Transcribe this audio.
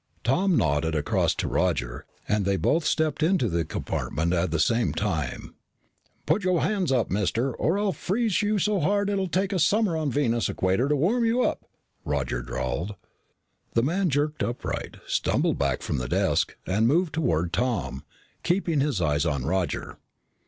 Tom nodded across to Roger and they both stepped into the compartment at the same time. "Put up your hands, mister, or I'll freeze you so hard it'll take a summer on the Venus equator to warm you up," Roger drawled. The man jerked upright, stumbled back from the desk, and moved toward Tom, keeping his eyes on Roger.